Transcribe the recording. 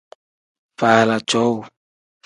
Faala cowuu.